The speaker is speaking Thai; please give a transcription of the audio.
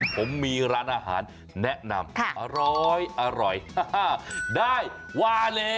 ผมมีร้านอาหารแนะนำอร่อยได้ว่าเลย